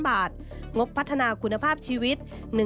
บาทงบพัฒนาคุณภาพชีวิต